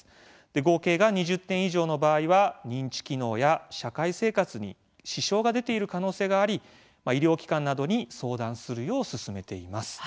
合計が２０点以上の場合は認知機能や社会生活に支障が出ている可能性があり医療機関などに相談するよう勧めています。